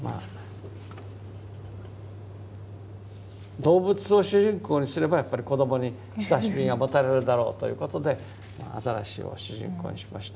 動物を主人公にすればやっぱり子どもに親しみが持たれるだろうということでアザラシを主人公にしました。